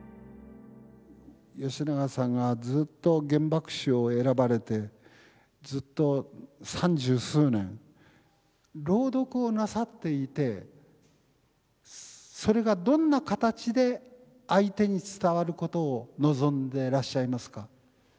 吉永さんがずっと原爆詩を選ばれてずっと三十数年朗読をなさっていてそれがどんな形で相手に伝わることを望んでいらっしゃいますか。